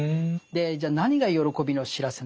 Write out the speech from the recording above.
じゃあ何が喜びの知らせなのか。